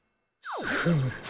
フム！